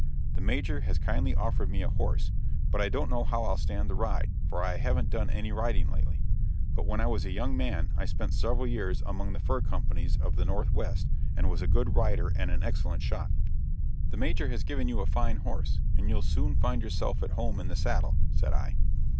The Major has kindly offered me a horse, but I don't know how I'll stand the ride, for I haven't done any riding lately; but when I was a young man I spent several years among the fur companies of the Northwest, and was a good rider and an excellent shot." "The Major has given you a fine horse, and you'll soon find yourself at home in the saddle," said I.